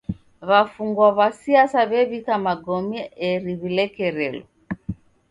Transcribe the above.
W'afungwa w'a siasa w'ew'ika magome eri w'ilekerelo.